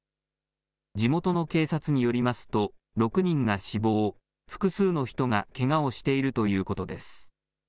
地元の警察によりますと、６人が死亡、複数の人がけがをしているということです。